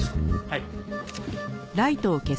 はい。